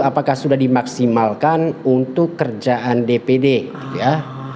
apakah sudah dimaksimalkan untuk kerjaan dpd gitu ya